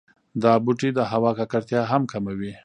دا بوټي د هوا ککړتیا هم کموي.